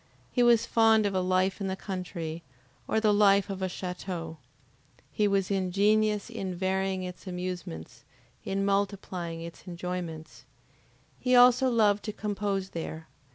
He was fond of a life in the country, or the life of the chateau. He was ingenious in varying its amusements, in multiplying its enjoyments. He also loved to compose there.